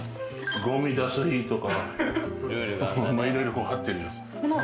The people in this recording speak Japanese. ゴミ出す日とか、いろいろ貼ってるよ。